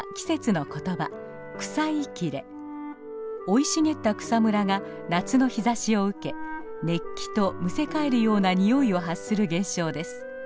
生い茂った草むらが夏の日ざしを受け熱気とむせ返るようなにおいを発する現象です。